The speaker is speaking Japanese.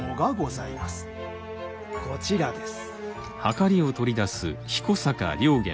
こちらです。